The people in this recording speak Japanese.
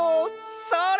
それ！